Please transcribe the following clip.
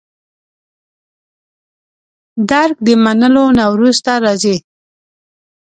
درک د منلو نه وروسته راځي.